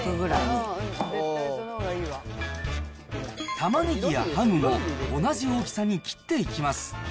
たまねぎやハムも同じ大きさに切っていきます。